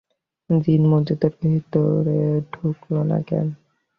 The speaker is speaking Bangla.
জিন মসজিদের ভেতরে ঢুকল না কেন?